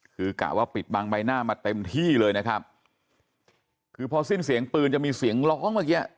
คือกะว่าปิดบังใบหน้ามาเต็มที่เลยนะครับคือพอสิ้นเสียงปืนจะมีเสียงร้องเมื่อกี้